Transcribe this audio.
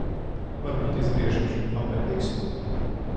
Varbūt izgriežam šim apendiksu?